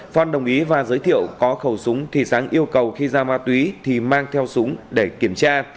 phan đồng ý và giới thiệu có khẩu súng thì sáng yêu cầu khi giao ma túy thì mang theo súng để kiểm tra